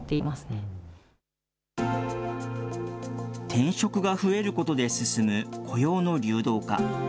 転職が増えることで進む雇用の流動化。